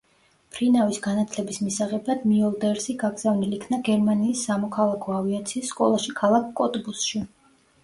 მფრინავის განათლების მისაღებად მიოლდერსი გაგზავნილ იქნა გერმანიის სამოქალაქო ავიაციის სკოლაში ქალაქ კოტბუსში.